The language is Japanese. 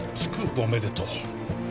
おめでとう